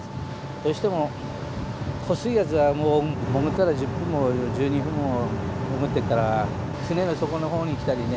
どうしても狡いやつはもう潜ったら１０分も１２分も潜ってっから船の底の方に来たりね。